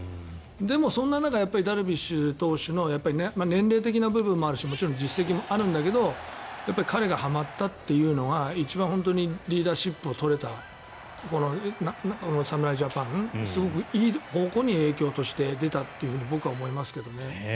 でも、そんな中ダルビッシュ投手の年齢的な部分もあるしもちろん実績もあるんだけど彼がはまったというのは一番本当にリーダーシップを取れた侍ジャパンにすごくいい方向に影響として出たと僕は思いますけどね。